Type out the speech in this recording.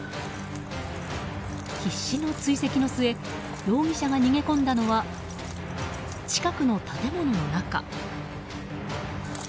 必死の追跡の末容疑者が逃げ込んだのは近くの建物の中。